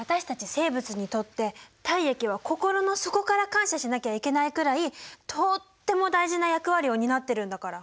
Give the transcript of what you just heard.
生物にとって体液は心の底から感謝しなきゃいけないくらいとっても大事な役割を担ってるんだから。